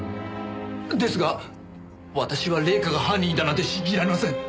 ですが私は礼夏が犯人だなんて信じられません。